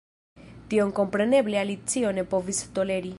Tion kompreneble Alicio ne povis toleri.